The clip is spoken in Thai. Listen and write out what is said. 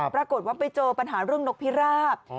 ปรากฏว่าไปเจอปัญหาเรื่องนกพิราบ